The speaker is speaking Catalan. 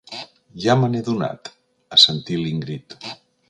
Ja me n'he adonat —assentí l'Ingrid.